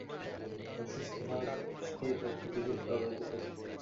অসুস্থ মানুষকে প্রকৃতি খুব প্রভাবিত করে।